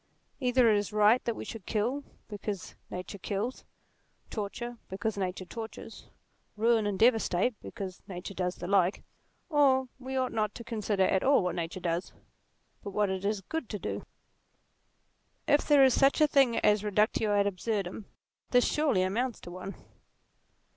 Either it is right that we should kill because nature kills ; torture because nature tortures ; ruin and devastate because nature does the like ; or we ought not to consider at all what nature does, but what it is good to do. If there is such a thing as a reductio ad absurdum, this surely amounts to one.